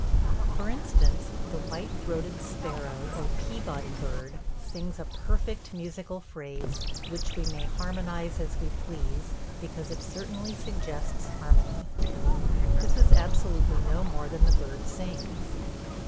"For instance, the white throated sparrow or Peabody bird sings a perfect musical phrase which we may harmonize as we please, because it certainly suggests harmony. This is absolutely no more than the bird sings.